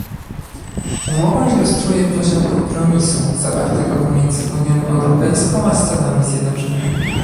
Umowa ilustruje poziom kompromisu zawartego pomiędzy Unią Europejską a Stanami Zjednoczonymi